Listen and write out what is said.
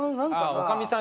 おかみさん